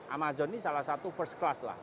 amazon ini salah satu first class lah